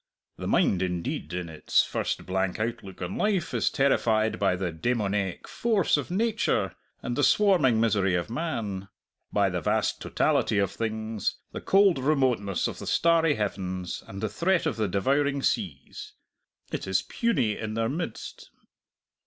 The mind, indeed, in its first blank outlook on life is terrified by the demoniac force of nature and the swarming misery of man; by the vast totality of things, the cold remoteness of the starry heavens, and the threat of the devouring seas. It is puny in their midst."